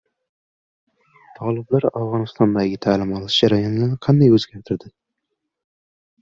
Toliblar Afg‘onistondagi ta’lim olish jarayonini qanday o‘zgartirdi